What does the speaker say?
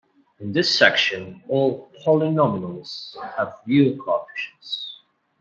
In this section, all polynomials have real coefficients.